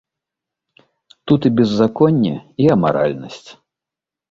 Тут і беззаконне, і амаральнасць.